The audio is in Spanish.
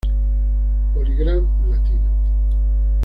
PolyGram Latino.